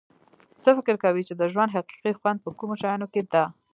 څه فکر کوی چې د ژوند حقیقي خوند په کومو شیانو کې ده